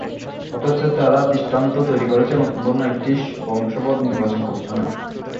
অথচ তারা দৃষ্টান্ত তৈরি করছে নতুন ধরনের একটি বশংবদ নির্বাচন কমিশনের।